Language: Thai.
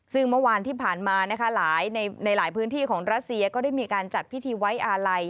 ซึ่งเมื่อวานที่ผ่านมานะคะหลายในหลายพื้นที่ของรัสเซียก็ได้มีการจัดพิธีไว้อาลัย